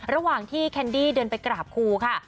ระหว่างที่แคนดี้เดินไปกราบครูค่ะ